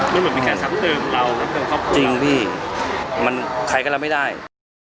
นึงมันเป็นแค่ซ้ำเติมของเราจริงพี่มันใครก็รับไม่ได้